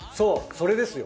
それですよ。